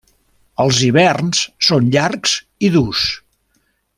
Els hiverns són llargs i durs.